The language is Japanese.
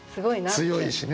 強いしね。